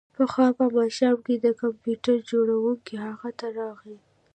پخوا په ماښام کې د کمپیوټر جوړونکی هغه ته راغی